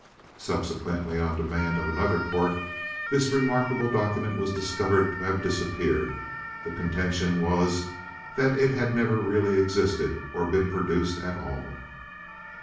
(Subsequently on demand of another court this remarkable document was discovered to have disappeared; the contention was that it had never really existed or been produced at all.)